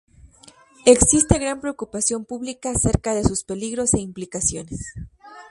Existe gran preocupación pública acerca de sus peligros e implicaciones.